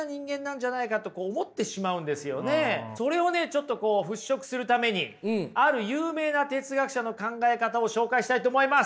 ちょっと払拭するためにある有名な哲学者の考え方を紹介したいと思います！